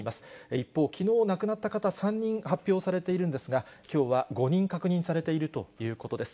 一方、きのうなくなった方、３人発表されているんですが、きょうは５人確認されているということです。